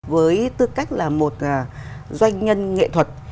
với tư cách là một doanh nhân nghệ thuật